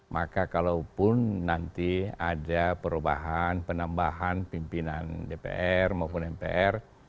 maka kalaupun nanti ada perubahan penambahan pimpinan dpr maupun mpr